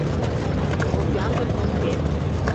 — Осяндр тошкен?!